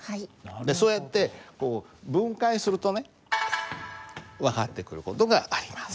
そうやってこう分解するとね分かってくる事があります。